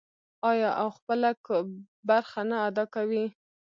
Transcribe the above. آیا او خپله برخه نه ادا کوي؟